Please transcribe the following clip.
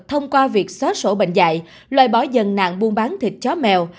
thông qua việc xóa sổ bệnh dạy loại bỏ dần nạn buôn bán thịt chó mèo